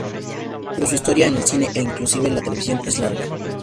Pero su historia en el cine -e inclusive la televisión- es largo.